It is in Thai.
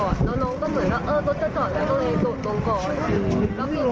แล้วน้องก็เหมือนว่ารถจะจอดแล้วก็เลยโดดลงก่อน